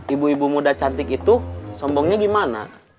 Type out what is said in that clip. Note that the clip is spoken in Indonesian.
ibu ibu muda cantik itu sombongnya gimana